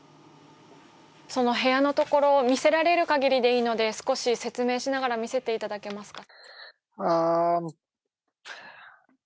その部屋のところ、見せられる限りでいいので、少し説明をしながら見せていただけますか？